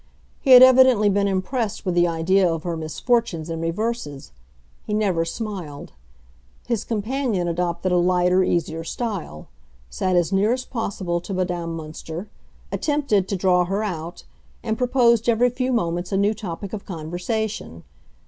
He had evidently been impressed with the idea of her misfortunes and reverses: he never smiled. His companion adopted a lighter, easier style; sat as near as possible to Madame Münster; attempted to draw her out, and proposed every few moments a new topic of conversation.